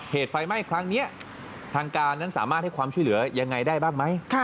เหตุไฟไหม้ครั้งนี้ทางการนั้นสามารถให้ความช่วยเหลือยังไงได้บ้างไหม